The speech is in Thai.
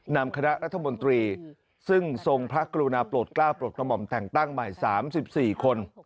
นำคณะรัฐมนตรีซึ่งทรงพระกรุณาโปรดกล้าวโปรดกระหม่อมแต่งตั้งใหม่๓๔คน